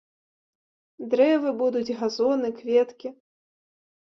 Дрэвы будуць, газоны, кветкі.